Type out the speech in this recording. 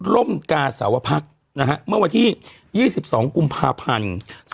ร่มกาสาวพักษณ์นะฮะเมื่อวันที่๒๒กุมภาพันธ์๒๕๒๓